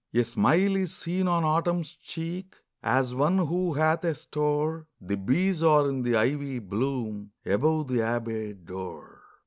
A smile is seen on Autumn's cheek, As one who hath a store ; The bees are in the ivy bloom, Above the abbey door.